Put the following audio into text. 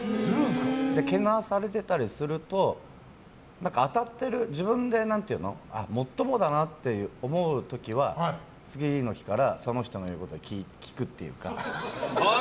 けなされてたりすると当たっている、自分でもっともだなって思う時は次の日からその人の言うことを聞くというか。